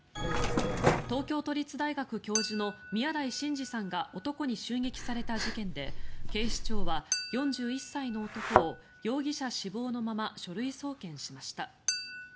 東京都立大学教授の宮台真司さんが男に襲撃された事件で、警視庁は４１歳の男を、容疑者死亡のまま書類送検しました。